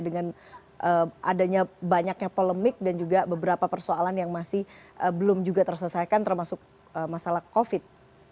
dengan adanya banyaknya polemik dan juga beberapa persoalan yang masih belum juga terselesaikan termasuk masalah covid